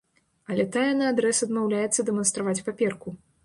Але тая наадрэз адмаўляецца дэманстраваць паперку.